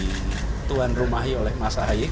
di tuan rumahi oleh mas hayek